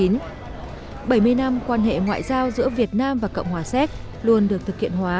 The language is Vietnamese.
bảy mươi năm quan hệ ngoại giao giữa việt nam và cộng hòa séc luôn được thực hiện hóa